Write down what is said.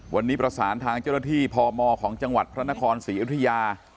วันนี้ประสานทางเจ้าหน้าที่พมของจังหวัดพระนครศรีอยุธยา